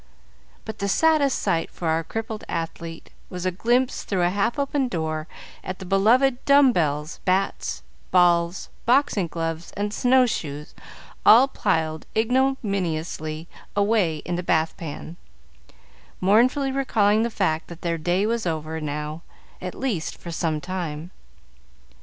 But the saddest sight for our crippled athlete was a glimpse, through a half opened door, at the beloved dumb bells, bats, balls, boxing gloves, and snow shoes, all piled ignominiously away in the bath pan, mournfully recalling the fact that their day was over, now, at least for some time.